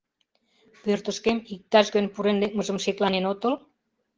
— Пӧртышкем иктаж-кӧн пурен-лекмыжым шекланен отыл?